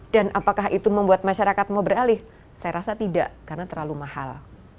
dan apakah itu membuat masyarakat mau beralih saya rasa tidak karena terlalu mahal